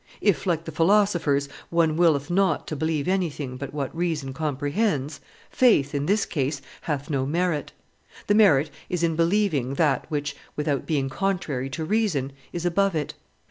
If, like the philosophers, one willeth not to believe anything but what reason comprehends, faith, in this case, hath no merit. The merit is in believing that which, without being contrary to reason, is above it.